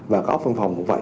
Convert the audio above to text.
và có phân phòng cũng vậy